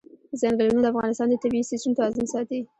ځنګلونه د افغانستان د طبعي سیسټم توازن ساتي.